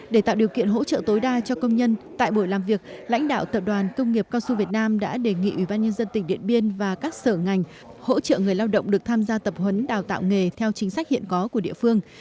để tạo điều kiện hỗ trợ tối đa cho công nhân tại buổi làm việc lãnh đạo tập đoàn công nghiệp cao su việt nam đã đề nghị ubnd tỉnh điện biên và các sở ngành hỗ trợ người lao động được tham gia tập huấn đào tạo nghề theo chính sách hiện có của địa phương